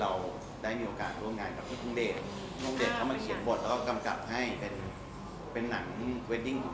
เราได้มีโอกาสร่วมงานกับพ่อคุณเดช